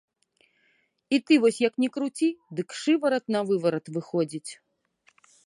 І ты вось як ні круці, дык шыварат-навыварат выходзіць.